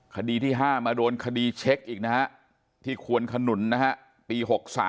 คดีที่๕มาโดนคดีเช็คอีกนะฮะที่ควนขนุนนะฮะปี๖๓